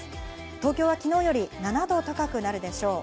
東京は昨日より７度高くなるでしょう。